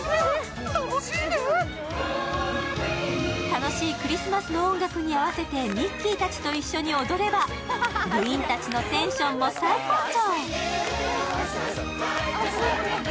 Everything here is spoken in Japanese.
楽しいクリスマスの音楽に合わせてミッキーたちと一緒に踊れば部員たちのテンションも最高潮。